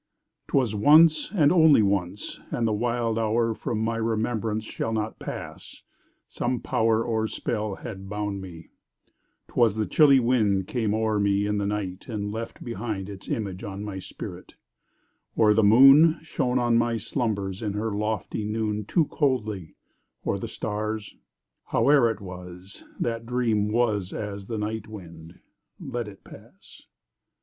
'Twas once & only once & the wild hour From my remembrance shall not pass—some power Or spell had bound me—'twas the chilly wind Came o'er me in the night & left behind Its image on my spirit, or the moon Shone on my slumbers in her lofty noon Too coldly—or the stars—howe'er it was That dream was as that night wind—let it pass.